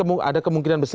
atau ada website